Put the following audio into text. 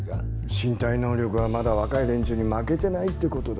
身体能力はまだ若い連中に負けてないって事だ。